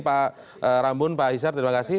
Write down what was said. pak rambun pak aisyar terima kasih